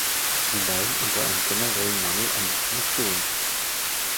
Sie leiden unter einem generellen Mangel an Informationen.